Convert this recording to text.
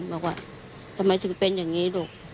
บอกว่าทำไมถึงเป็นอย่างนี้ลูก